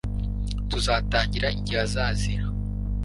Tuzatangira igihe azazira